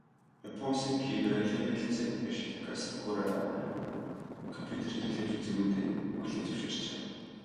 Япон улсын Кибер аюулгүй байдлын сайд Ёшитака Сакурада компьютер хэрэглэж үзээгүйгээ хүлээн зөвшөөрчээ.